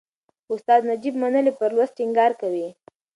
استاد نجيب منلی پر لوست ټینګار کوي.